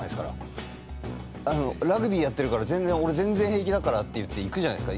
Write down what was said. ラグビーやってるから俺全然平気だからっていって行くじゃないですか。